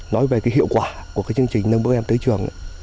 nói về cái hiệu quả của cái chương trình nâng bước em tới trường